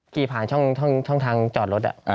ขี่ผ่านช่องทางจอดรถ